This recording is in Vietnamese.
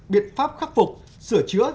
biện pháp khắc phục sửa chữa